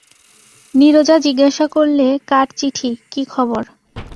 নীরজা জিজ্ঞাসা করলে কার চিঠি, কী খবর।